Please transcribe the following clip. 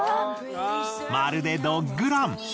まるでドッグラン。